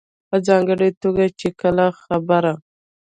په ځانګړې توګه چې کله خبره